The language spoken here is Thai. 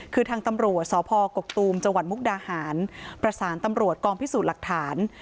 คือทางตำรวจสพกกตูมจังหวัดมุกดาหารประสานตำรวจกองพิสูจน์หลักฐาน